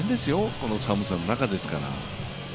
この寒さの中ですから。